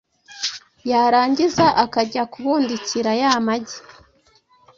yarangiza akajya kubundikira ya magi